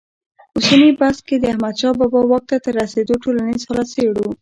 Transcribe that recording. اوسني بحث کې د احمدشاه بابا واک ته تر رسېدو ټولنیز حالت څېړو.